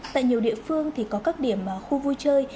tại nhiều địa phương thì có các điểm khu vui chơi